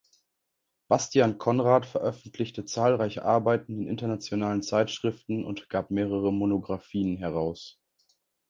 Bastian Conrad veröffentlichte zahlreiche Arbeiten in internationalen Zeitschriften und gab mehrere Monographien heraus.